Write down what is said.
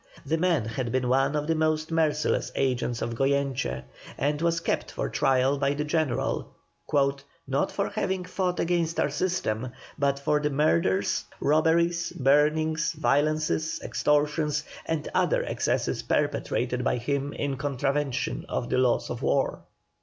This man had been one of the most merciless agents of Goyeneche, and he was kept for trial by the General, "not for having fought against our system, but for the murders, robberies, burnings, violences, extortions, and other excesses perpetrated by him in contravention of the laws of war."